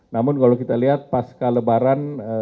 namun kalau kita lihat pasca lebaran